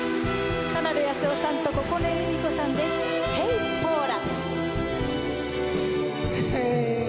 田辺靖雄さんと九重佑三子さんで『ヘイ・ポーラ』。